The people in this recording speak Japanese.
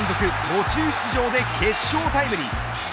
途中出場で決勝タイムリー。